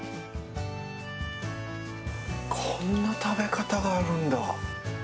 こんな食べ方があるんだ。